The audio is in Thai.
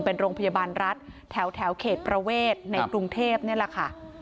เป็นโรงพยาบาลรัฐแถวเขตประเวทในกรุงเทพนี่แหละค่ะ